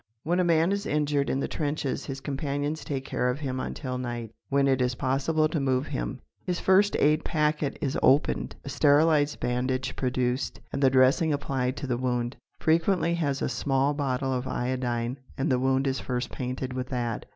When a man is injured in the trenches his companions take care of him until night, when it is possible to move him. His first aid packet is opened, a sterilised bandage produced, and the dressing applied to the wound. Frequently he has a small bottle of iodine and the wound is first painted with that.